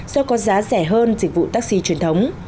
do có giá rẻ hơn dịch vụ taxi truyền thống